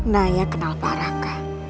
naya kenal pak raka